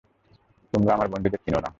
তোমারা আমার বন্ধুদের চিনো না!